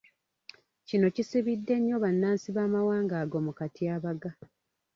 Kino kisibidde nnyo bannansi b’amawanga ago mu katyabaga.